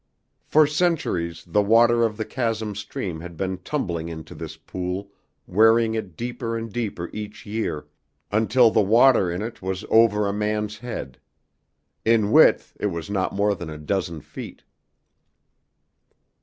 For centuries the water of the chasm stream had been tumbling into this pool wearing it deeper and deeper each year, until the water in it was over a man's head. In width it was not more than a dozen feet.